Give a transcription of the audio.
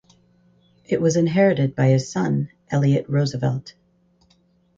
It was inherited by his son Elliott Roosevelt.